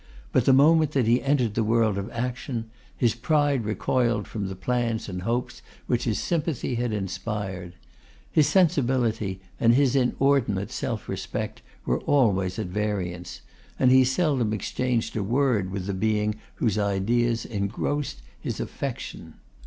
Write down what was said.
But the moment that he entered the world of action, his pride recoiled from the plans and hopes which his sympathy had inspired. His sensibility and his inordinate self respect were always at variance. And he seldom exchanged a word with the being whose idea engrossed his affection.